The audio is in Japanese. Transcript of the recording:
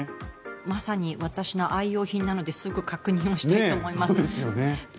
まさに私の愛用品なのですぐに確認したいと思います。